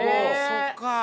そっか！